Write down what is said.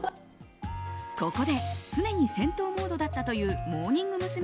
ここで常に戦闘モードだったというモーニング娘。